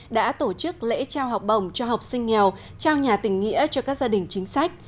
đã tổ chức lễ trao học bổng cho học sinh nghèo trao nhà tỉnh nghĩa cho các gia đình chính sách